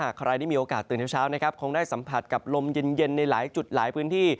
ถ้าใครมีโอกาสตื่นเช้าคงได้สัมผัสกับลมเย็นเย็นในหลายชุดหลายพื้นที่